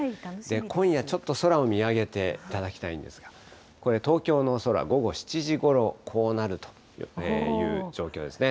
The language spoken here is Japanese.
今夜ちょっと空を見上げていただきたいんですが、これ、東京の空、午後７時ごろ、こうなるという状況ですね。